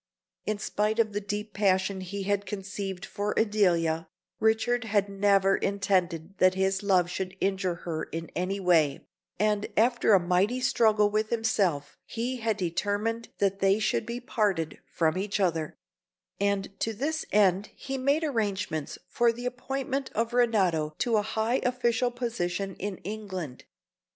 In spite of the deep passion he had conceived for Adelia, Richard had never intended that his love should injure her in any way, and after a mighty struggle with himself, he had determined that they should be parted, from each other; and to this end he made arrangements for the appointment of Renato to a high official position in England.